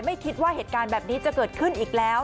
ไม่คิดว่าเหตุการณ์แบบนี้จะเกิดขึ้นอีกแล้ว